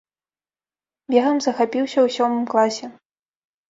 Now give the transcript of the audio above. Бегам захапіўся ў сёмым класе.